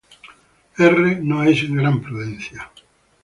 R-No es gran prudencia.